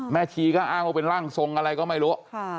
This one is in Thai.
ชีก็อ้างว่าเป็นร่างทรงอะไรก็ไม่รู้